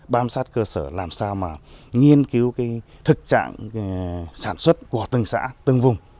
bám sát cơ sở làm sao mà nghiên cứu cái thực trạng sản xuất của từng xã từng vùng